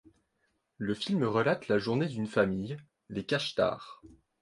Le film relate la journée d'une famille, les Kajtár.